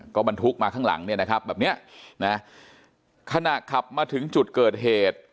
ก็บรรทุกมาข้างหลังเนี่ยนะครับแบบเนี้ยนะขณะขับมาถึงจุดเกิดเหตุ